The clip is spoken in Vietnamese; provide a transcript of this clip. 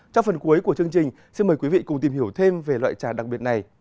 trong phần cuối của chương trình xin mời quý vị cùng tìm hiểu thêm về loại trà đặc biệt này